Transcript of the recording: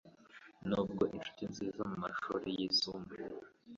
Nubwo inshuti nziza mumashuri yisumbuye